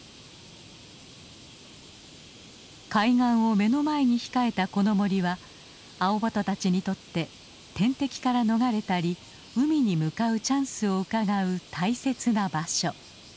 海岸を目の前に控えたこの森はアオバトたちにとって天敵から逃れたり海に向かうチャンスをうかがう大切な場所。